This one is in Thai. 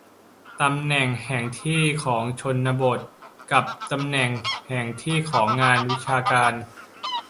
ตำแหน่งแห่งที่ของชนบท กับตำแหน่งแห่งที่ของงานวิชาการ